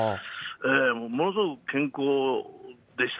ものすごく健康でした。